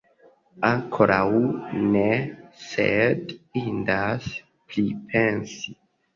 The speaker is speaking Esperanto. Ankoraŭ ne, sed indas pripensi!